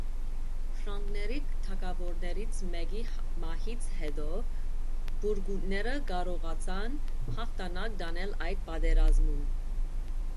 Ֆրանկների թագավորներից մեկի մահից հետո բուրգունդները կարողացան հաղթանակ տանել այդ պատերազմում։